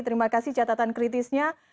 terima kasih catatan kritisnya